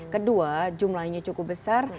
kedua jumlahnya cukup besar